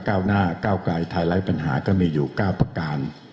ก้าวหน้าก้าวไกลไทยไร้ปัญหาก็มีอยู่๙ประการ